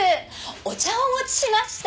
お茶をお持ちしました。